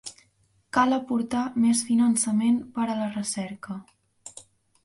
Cal aportar més finançament per a la recerca.